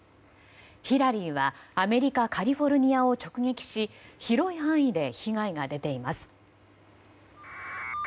ヒラリーは、アメリカカリフォルニアを直撃し広い範囲で被害が出ています。